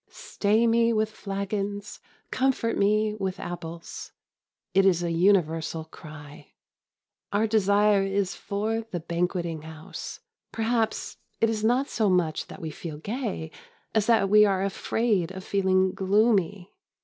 "Stay me with flagons; comfort me with apples." It is a universal cry. Our desire is for the banqueting house. Perhaps it is not so much that we feel gay as that we are afraid of feeling gloomy.